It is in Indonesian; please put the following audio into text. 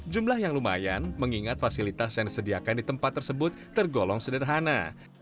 jumlah yang lumayan mengingat fasilitas yang disediakan di tempat tersebut tergolong sederhana